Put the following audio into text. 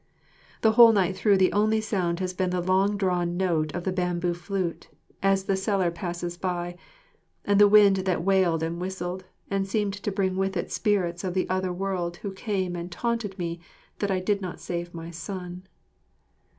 The whole night through the only sound has been the long drawn note of the bamboo flute, as the seller passes by, and the wind that wailed and whistled and seemed to bring with it spirits of the other world who came and taunted me that I did not save my son.